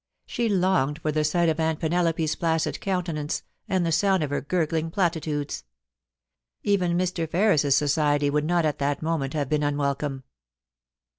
She longed for the sight of Aunt Penelope's placid countenance, and the sound of her gurgling platitudes. Even Mr. Ferris's society would not at that moment have been unwelcome.